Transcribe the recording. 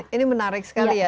ini menarik sekali ya